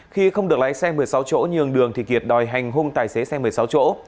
khi không được lái xe một mươi sáu chỗ nhường đường thì kiệt đòi hành hung tài xế xe một mươi sáu chỗ